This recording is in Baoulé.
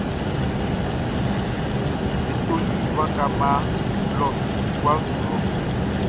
E toli waka mma lɔ guaʼn su lɔ.